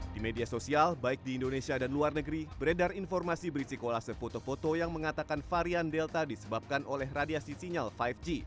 di media sosial baik di indonesia dan luar negeri beredar informasi berisi kolase foto foto yang mengatakan varian delta disebabkan oleh radiasi sinyal lima g